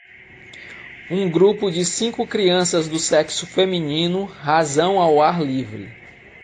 Um grupo de cinco crianças do sexo feminino razão ao ar livre.